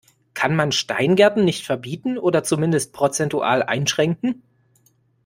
Kann man Steingärten nicht verbieten, oder zumindest prozentual einschränken?